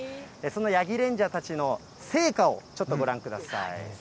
そのヤギレンジャーたちの成果をちょっとご覧ください。